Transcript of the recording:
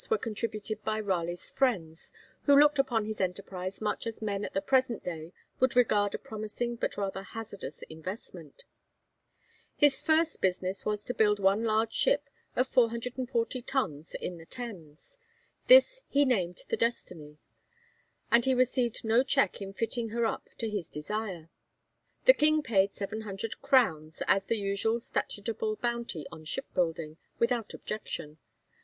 _ were contributed by Raleigh's friends, who looked upon his enterprise much as men at the present day would regard a promising but rather hazardous investment. His first business was to build one large ship of 440 tons in the Thames. This he named the 'Destiny,' and he received no check in fitting her up to his desire; the King paid 700 crowns, as the usual statutable bounty on shipbuilding, without objection.